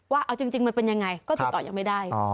ว่าเอาจริงมันเป็นยังไงก็ติดต่อยังไม่ได้